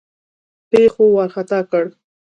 پیښو وارخطا کړ.